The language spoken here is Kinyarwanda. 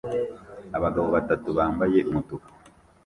Abagabo batatu bambaye umutuku